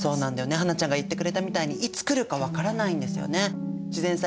英ちゃんが言ってくれたみたいにいつ来るか分からないんですよね。